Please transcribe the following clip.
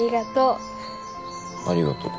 ありがとう